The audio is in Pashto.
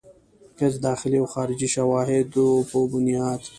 هيڅ داخلي او خارجي شواهدو پۀ بنياد